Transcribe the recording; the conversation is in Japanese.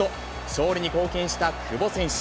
勝利に貢献した久保選手。